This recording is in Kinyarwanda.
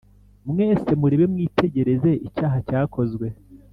mwese murebe mwitegereze icyaha cyakozwe.